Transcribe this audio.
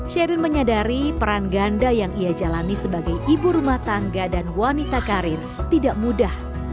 sherin menyadari peran ganda yang ia jalani sebagai ibu rumah tangga dan wanita karir tidak mudah